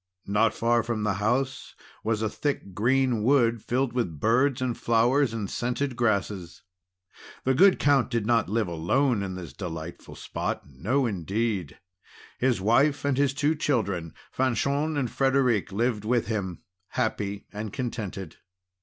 Not far from the house was a thick green wood filled with birds and flowers and scented grasses. The good Count did not live alone in this delightful spot; no indeed, his wife and his two children, Fanchon and Frederic, lived with him, happy and contented.